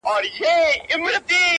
د شپې د راج معراج کي د سندرو ننداره ده’